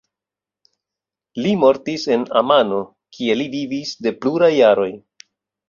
Li mortis en Amano kie li vivis de pluraj jaroj.